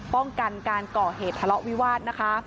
ป้องกันการก่อเหตุทะเลาะวิวาสนะคะ